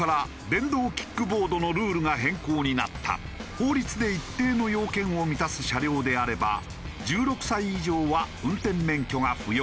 法律で一定の要件を満たす車両であれば１６歳以上は運転免許が不要。